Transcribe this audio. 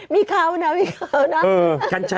มีคราวน้า